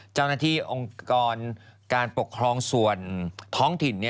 เจ้าหน้าที่องค์กรการปกครองส่วนท้องถิ่น